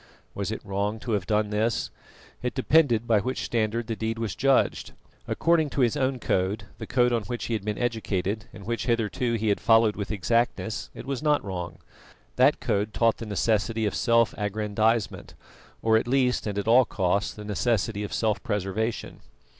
Was it wrong to have done this? It depended by which standard the deed was judged. According to his own code, the code on which he had been educated and which hitherto he had followed with exactness, it was not wrong. That code taught the necessity of self aggrandisement, or at least and at all costs the necessity of self preservation.